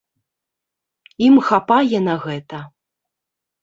Ім хапае на гэта.